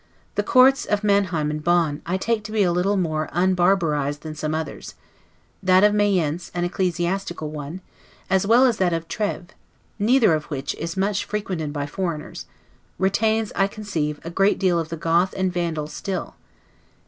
The courts of Manheim and Bonn, I take to be a little more unbarbarized than some others; that of Mayence, an ecclesiastical one, as well as that of Treves (neither of which is much frequented by foreigners), retains, I conceive, a great deal of the Goth and Vandal still.